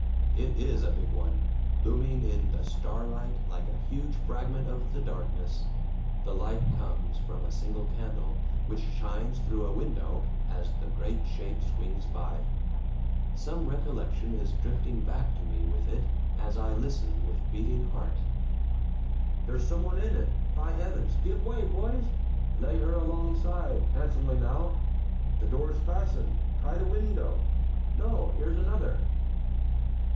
It is a big one, looming in the starlight like a huge fragment of the darkness. The light comes from a single candle, which shines through a window as the great shape swings by. Some recollection is drifting back to me with it as I listen with beating heart. "There's someone in it, by heavens! Give way, boys lay her alongside. Handsomely, now! The door's fastened; try the window; no! here's another!"